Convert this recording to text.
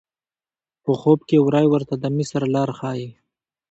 په خوب کې وری ورته د مصر لار ښیي.